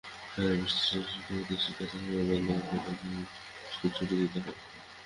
ঝড়-বৃষ্টি এলে শিক্ষকদের শিক্ষা কার্যক্রম বন্ধ করে স্কুল ছুটি দিতে হয়।